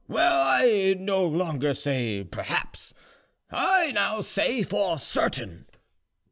"Well, I no longer say 'perhaps,' I now say 'for certain.